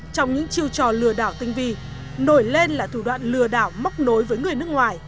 trong những chiêu trò lừa đảo tinh vi nổi lên là thủ đoạn lừa đảo móc nối với người nước ngoài